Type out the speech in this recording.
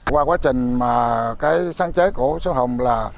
qua quá trình mà cái sáng chế của số hùng là